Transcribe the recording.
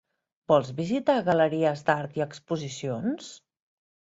Vols visitar galeries d'art i exposicions?